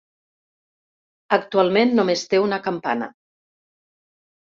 Actualment només té una campana.